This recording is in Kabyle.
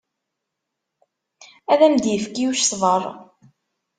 Ad am-d-yefk Yuc ṣṣber.